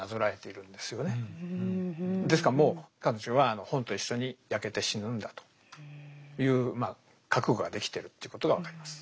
ですからもう彼女は本と一緒に焼けて死ぬんだというまあ覚悟ができてるということが分かります。